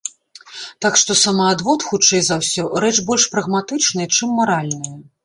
Так што самаадвод, хутчэй за ўсё, рэч больш прагматычная, чым маральная.